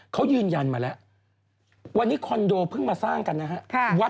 เขายืนยันมาแล้ววันนี้คอนโดเพิ่งมาสร้างกันนะฮะ